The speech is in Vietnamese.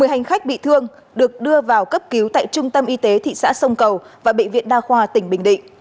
một mươi hành khách bị thương được đưa vào cấp cứu tại trung tâm y tế thị xã sông cầu và bệnh viện đa khoa tỉnh bình định